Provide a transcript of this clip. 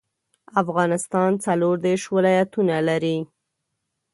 افغانستان څلوردیرش ولایاتونه لري